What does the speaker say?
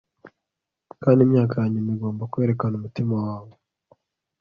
kandi imyaka yanyuma igomba kwerekana umutima wawe